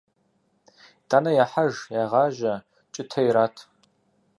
ИтӀанэ яхьэж, ягъажьэ, кӀытэ ират.